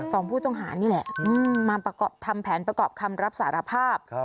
สองผู้ต้องหานี่แหละมาประกอบทำแผนประกอบคำรับสารภาพ